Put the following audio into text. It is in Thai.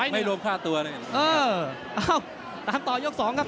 ไม่โดมฆ่าตัวเลย